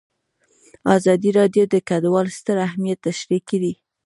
ازادي راډیو د کډوال ستر اهميت تشریح کړی.